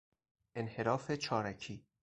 انحراف چارکی